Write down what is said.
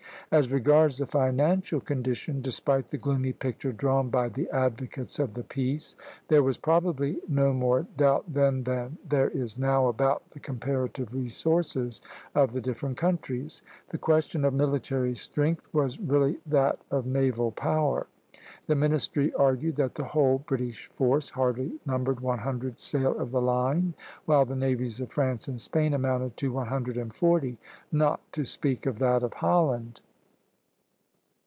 As regards the financial condition, despite the gloomy picture drawn by the advocates of the peace, there was probably no more doubt then than there is now about the comparative resources of the different countries. The question of military strength was really that of naval power. The ministry argued that the whole British force hardly numbered one hundred sail of the line, while the navies of France and Spain amounted to one hundred and forty, not to speak of that of Holland.